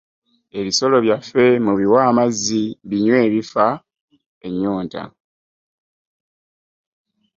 Ebisolo byaffe mubiwwe amaazzi binywe bifa ennyota.